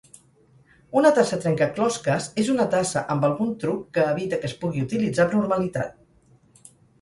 Una tassa trencaclosques és una tassa amb algun truc que evita que es pugui utilitzar amb normalitat.